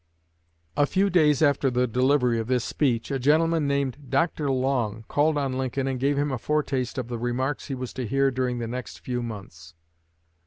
A few days after the delivery of this speech, a gentleman named Dr. Long called on Lincoln and gave him a foretaste of the remarks he was to hear during the next few months.